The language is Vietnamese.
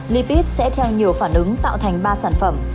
lipid sẽ theo nhiều phản ứng tạo thành ba sản phẩm